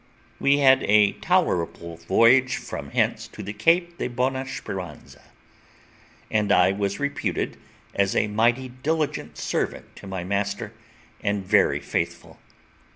We had a tolerable voyage from hence to the Cape de Bona Speranza; and I was reputed as a mighty diligent servant to my master, and very faithful.